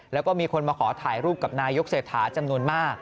แล้วก็มีคนมาขอถ่ายรูปกับนายกเศรษฐาจำนวนมาก